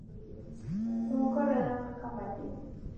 Fue un corredor muy combativo.